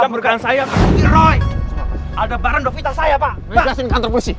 beri ke sini kantor polisi